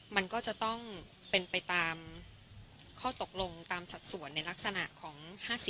มันก็จะต้องเป็นไปตามข้อตกลงตามสัดส่วนในลักษณะของ๕๐